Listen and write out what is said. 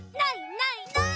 ない！ない！」